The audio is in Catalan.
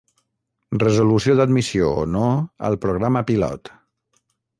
Resolució d'admissió o no al Programa pilot.